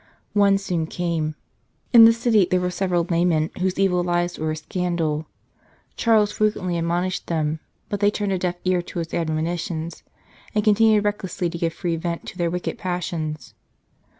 One soon came. In the city there were several laymen whose evil lives were a scandal. Charles frequently admonished them, but they turned a deaf ear to his admoni tions, and continued recklessly to give free vent to their wicked passions.